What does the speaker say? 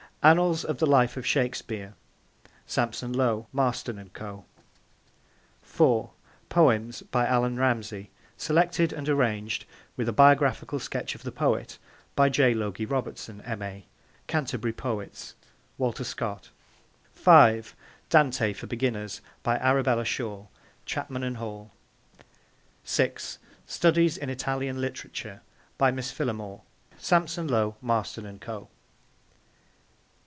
(3) Annals of the Life of Shakespeare. (Sampson Low, Marston and Co.) (4) Poems by Allan Ramsay. Selected and arranged, with a Biographical Sketch of the Poet, by J. Logie Robertson, M.A. 'Canterbury Poets.' (Walter Scott.) (5) Dante for Beginners. By Arabella Shore. (Chapman and Hall.) (6) Studies in Italian Literature. By Miss Phillimore. (Sampson Low, Marston and Co.)